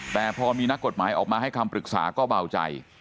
แต่พอมีนักกฎหมายออกมาให้คำปรึกษาก็เบาใจ